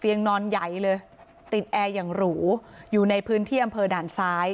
นอนใหญ่เลยติดแอร์อย่างหรูอยู่ในพื้นที่อำเภอด่านซ้าย